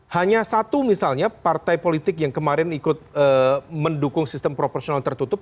hanya satu misalnya partai politik yang kemarin ikut mendukung sistem proporsional tertutup